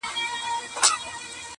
موج دي کم دریاب دي کم نهنګ دي کم!!